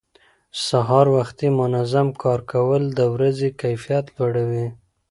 سهار وختي منظم کار کول د ورځې کیفیت لوړوي